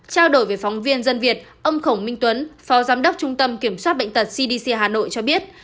trao đổi với phóng viên dân việt ông khổng minh tuấn phó giám đốc trung tâm kiểm soát bệnh tật cdc hà nội cho biết